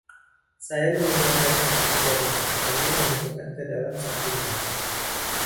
“Saya meninggalkannya,” ujarnya, sambil memasukkannya ke dalam sakunya.